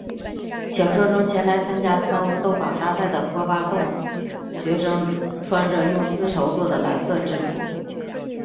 小说中前来参加三巫斗法大赛的波巴洞学生穿着用丝绸作的蓝色制服。